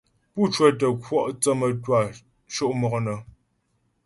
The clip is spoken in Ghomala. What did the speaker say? Pú cwə́tə kwɔ' thə́ mə́twâ sho' mɔk nə.